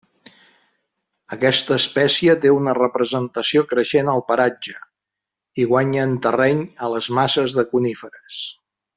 Aquesta espècie té una representació creixent al paratge, i guanyen terreny a les masses de coníferes.